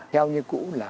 theo như cũ là